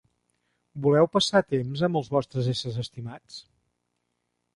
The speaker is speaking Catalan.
Voleu passar temps amb els vostres éssers estimats?